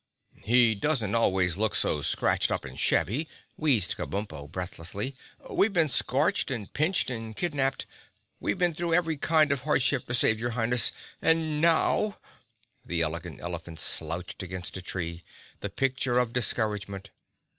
"He doesn't always look so scratched up and shabby," wheezed Kabumpo breathlessly. "We've been scorched and pinched and kidnapped. We've been through every kind of hardship to save your Highness—and now!" The Elegant Elephant slouched against a tree, the picture of discouragement.